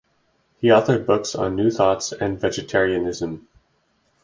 He authored books on new thought and vegetarianism.